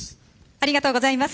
ありがとうございます。